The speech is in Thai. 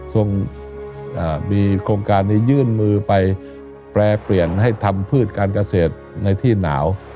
ส่งมีโครงการนี้ยื่นมือไปแปรเปลี่ยนให้ทำพืชการเกษตรในที่หนาว